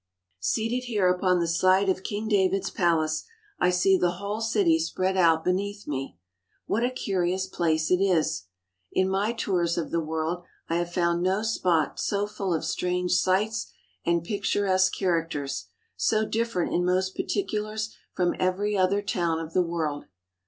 Seated here upon the site of King David's palace, I see the whole city spread out beneath me. What a curious place it is! In my tours of the world I have found no spot so full of strange sights and picturesque characters, so different in most particulars from every other town of the world.